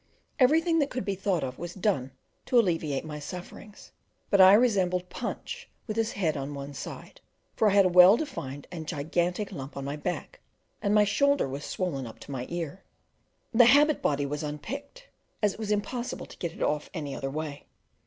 Everything that could be thought of was done to alleviate my sufferings; but I resembled Punch with his head on one side, for I had a well defined and gigantic hump on my back, and my shoulder was swollen up to my ear. The habit body was unpicked, as it was impossible to get it off any other way.